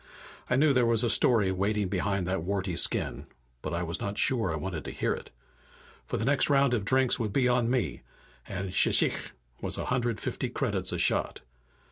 I knew there was a story waiting behind that warty skin, but I was not sure I wanted to hear it. For the next round of drinks would be on me, and shchikh was a hundred and fifty credits a shot.